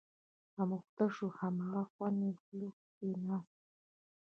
اموخته شو، هماغه خوند یې خوله کې ناست دی.